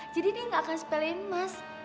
jadi dia gak akan sepelain mas